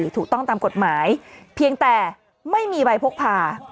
ถูกต้องตามกฎหมายเพียงแต่ไม่มีใบพกพา